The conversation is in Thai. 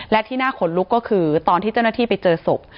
และที่น่าขนลุกก็คือตอนที่เจ้าหน้าที่ไปเจอศพ